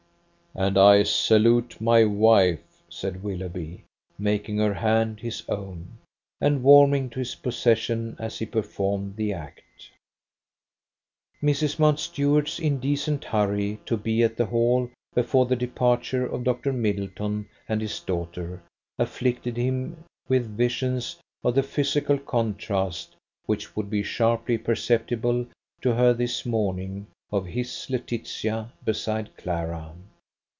"And I salute my wife," said Willoughby, making her hand his own, and warming to his possession as he performed the act. Mrs. Mountstuart's indecent hurry to be at the Hall before the departure of Dr. Middleton and his daughter, afflicted him with visions of the physical contrast which would be sharply perceptible to her this morning of his Laetitia beside Clara.